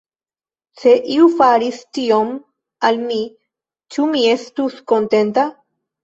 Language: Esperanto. Se iu faris tion al mi, ĉu mi estus kontenta?